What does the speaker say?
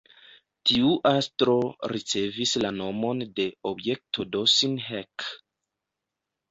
Tiu astro ricevis la nomon de "Objekto Dossin-Heck".